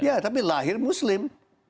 ya tapi lahir muslim